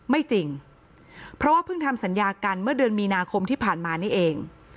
ไม่จริงเพราะว่าเพิ่งทำสัญญากันเมื่อเดือนมีนาคมที่ผ่านมานี่เอง